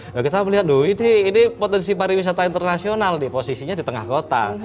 nah kita melihat loh ini potensi pariwisata internasional nih posisinya di tengah kota